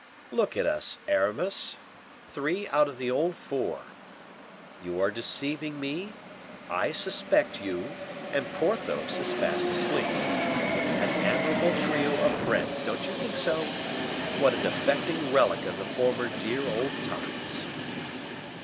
"Look at us, Aramis; three out of the old 'four.' You are deceiving me; I suspect you; and Porthos is fast asleep. An admirable trio of friends, don't you think so? What an affecting relic of the former dear old times!"